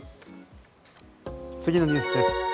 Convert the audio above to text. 次のニュースです。